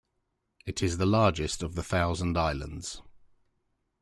It is the largest of the Thousand Islands.